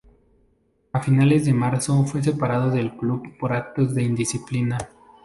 A finales de marzo fue separado del club por actos de indisciplina.